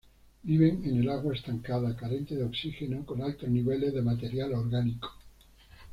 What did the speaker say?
Viven en el agua estancada, carente de oxígeno, con altos niveles de material orgánico.